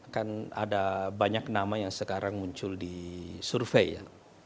kan ada banyak nama yang sekarang muncul di survei ya